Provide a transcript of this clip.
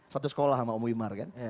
satu sekolah sama om wimar kan